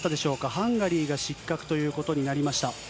ハンガリーが失格ということになりました。